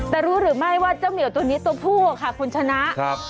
แต่รู้หรือไม่ว่าเจ้าเหมียวตัวนี้ตัวผู้อะค่ะคุณชนะ